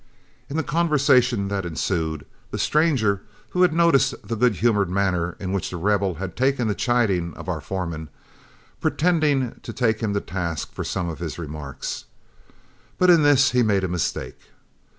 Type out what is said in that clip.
In the conversation that ensued, the stranger, who had noticed the good humored manner in which The Rebel had taken the chiding of our foreman, pretending to take him to task for some of his remarks. But in this he made a mistake.